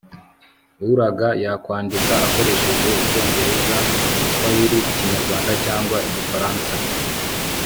uraga yakwandika akoresheje icyongereza, igiswahiri, ikinyarwanda cyangwa igifaransa